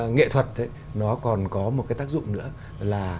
nghệ thuật nó còn có một cái tác dụng nữa là